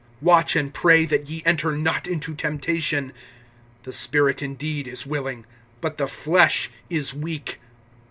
(41)Watch and pray, that ye enter not into temptation. The spirit indeed is willing, but the flesh is weak.